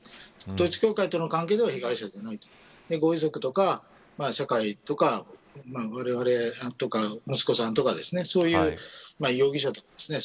統一教会との関係では被害者じゃないご遺族とか社会とか、われわれとか息子さんとか容疑者ですね